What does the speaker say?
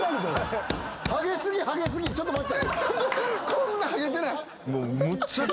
こんなハゲてない！